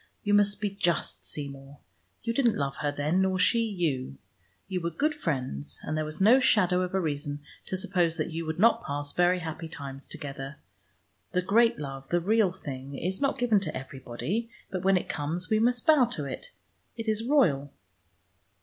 You must be just, Seymour: you didn't love her then, nor she you. You were good friends, and there was no shadow of a reason to suppose that you would not pass very happy times together. The great love, the real thing, is not given to everybody. But when it comes, we must bow to it.... It is royal."